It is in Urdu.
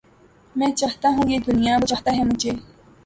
میں چاہتا ہوں یہ دنیا وہ چاہتا ہے مجھے